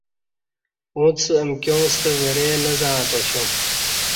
اُݩڅ امکیاں ستہ ورے نہ زعݩتاسیوم